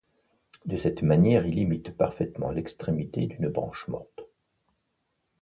De cette manière, il imite parfaitement l'extrémité d'une branche morte.